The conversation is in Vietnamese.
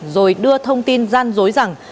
rồi đưa thông tin gian dối rằng